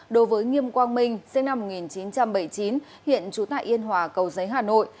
đối với nghiêm quang minh sinh năm một nghìn chín trăm bảy mươi chín hiện trú tại yên hòa cầu giấy hà nội